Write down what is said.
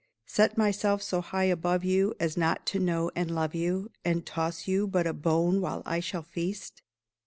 Set myself so high above you, As not to know and love you, And toss you but a bone while I shall feast?